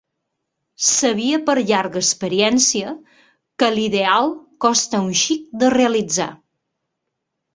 Sabia per llarga experiència que l'ideal costa un xic de realitzar